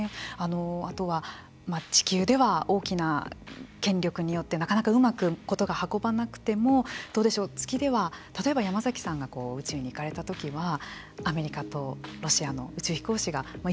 あとは地球では大きな権力によってなかなかうまく事が運ばなくてもどうでしょう月では例えば山崎さんが宇宙に行かれたときはアメリカとロシアの宇宙飛行士が一緒に協調していたわけですよね。